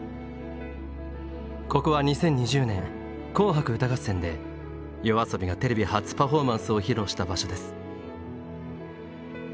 ここは２０２０年「紅白歌合戦」でＹＯＡＳＯＢＩがテレビ初パフォーマンスを披露した場所です。